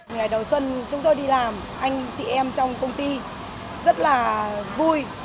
ngày đầu xuân chúng tôi đi làm anh chị em trong công ty rất là vui